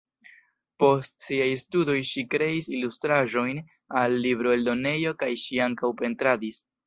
Post siaj studoj ŝi kreis ilustraĵojn al libroeldonejo kaj ŝi ankaŭ pentradis.